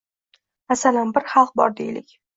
Masalan, bir xalq bor deylik.